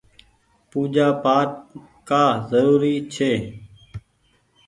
پوجآ پآٽ ڪآ زروري ڇي۔